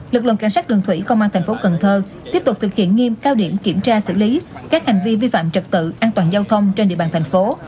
lực lượng cảnh sát đường thủy công an thành phố cần thơ tiếp tục thực hiện nghiêm cao điểm kiểm tra xử lý các hành vi vi phạm trật tự an toàn giao thông trên địa bàn thành phố